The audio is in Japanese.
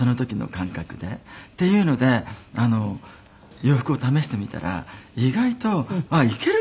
っていうので洋服を試してみたら意外とあっいけるかも。